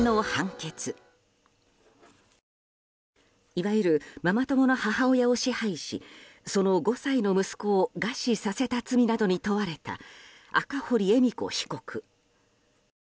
いわゆるママ友の母親を支配しその５歳の息子を餓死させた罪などに問われた赤堀恵美子被告。